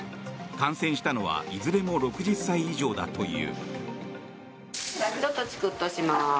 感染したのはいずれも６０歳以上だという。